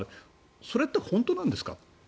それって本当なんですかって。